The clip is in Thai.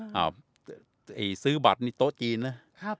ซื้อบัตรนี่โต๊ะจีนนะครับ